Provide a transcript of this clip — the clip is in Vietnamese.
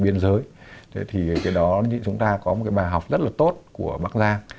biên giới thì cái đó chúng ta có một cái bài học rất là tốt của bắc giang